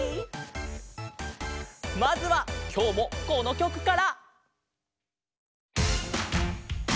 まずはきょうもこのきょくから！